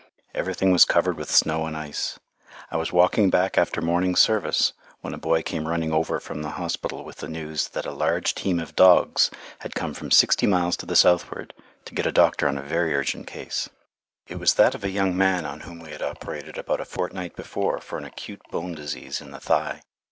Everything was covered with snow and ice. I was walking back after morning service, when a boy came running over from the hospital with the news that a large team of dogs had come from sixty miles to the southward, to get a doctor on a very urgent case. It was that of a young man on whom we had operated about a fortnight before for an acute bone disease in the thigh.